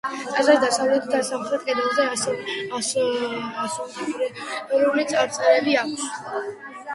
ტაძარს დასავლეთ და სამხრეთ კედელზე ასომთავრული წარწერები აქვს.